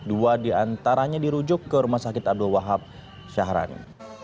dua diantaranya dirujuk ke rumah sakit abdul wahab syahrani